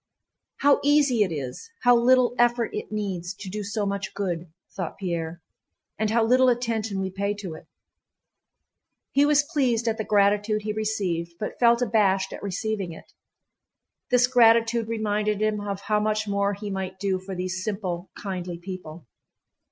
"How easy it is, how little effort it needs, to do so much good," thought Pierre, "and how little attention we pay to it!" He was pleased at the gratitude he received, but felt abashed at receiving it. This gratitude reminded him of how much more he might do for these simple, kindly people.